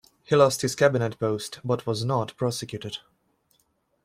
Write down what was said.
He lost his Cabinet post, but was not prosecuted.